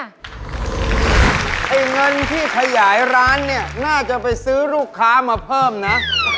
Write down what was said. ไอ้เงินที่ขยายร้านเนี่ยน่าจะไปซื้อลูกค้ามาเพิ่มนะ